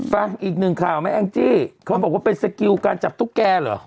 ฟังอีกหนึ่งค่ะเอ็งจี้เขาบอกว่าเป็นสกิลต์การจับทุกแกหรอ